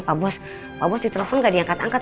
pak bos pak bos ditelepon gak diangkat angkat